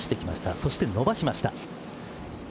そして伸ばしました。